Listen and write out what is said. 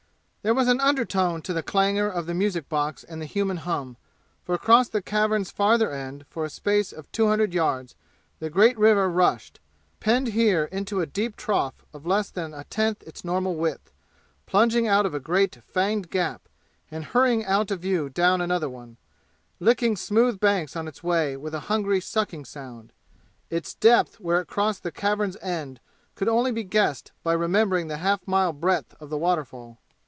There was an undertone to the clangor of the music box and the human hum, for across the cavern's farther end for a space of two hundred yards the great river rushed, penned here into a deep trough of less than a tenth its normal width plunging out of a great fanged gap and hurrying out of view down another one, licking smooth banks on its way with a hungry sucking sound. Its depth where it crossed the cavern's end could only be guessed by remembering the half mile breadth of the waterfall.